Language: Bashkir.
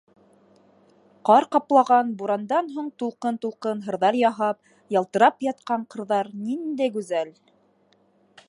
Ҡар ҡаплаған, бурандан һуң тулҡын-тулҡын һырҙар яһап ялтырап ятҡан ҡырҙар ниндәй гүзәл!